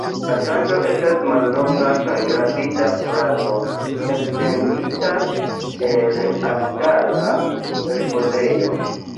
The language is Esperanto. La kanto estas mallonga kaj rapida frazo elsendita el elstara ripozejo.